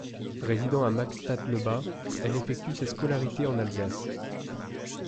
Résidant à Magstatt-le-Bas, elle effectue sa scolarité en Alsace.